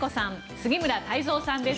杉村太蔵さんです。